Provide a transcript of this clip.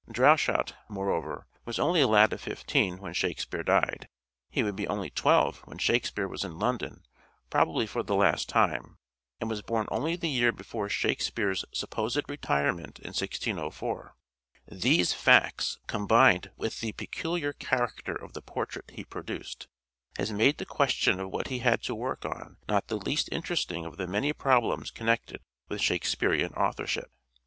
Droeshout, moreover, was only a lad of fifteen when Shakspere died ; he would be only twelve when Shakspere was in London probably for the last time, and was born only the year before Shakspere's supposed retirement in 1604. These facts, combined with the peculiar character of the portrait he produced, has made the question of what he had to work on not the least interesting of the many problems connected with Shakespearean authorship.